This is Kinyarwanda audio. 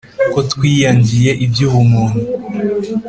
ko twiyangiye iby’ubumuntu